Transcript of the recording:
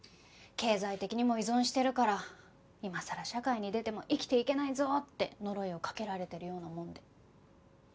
経済的にも依存してるから今さら社会に出ても生きていけないぞって呪いをかけられてるようなもんで。